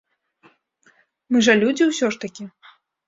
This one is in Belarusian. Мы жа людзі ўсё ж такі!